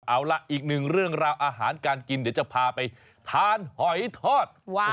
เอาล่ะอีกหนึ่งเรื่องราวอาหารการกินเดี๋ยวจะพาไปทานหอยทอด